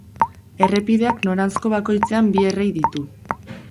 Errepideak noranzko bakoitzean bi errei ditu.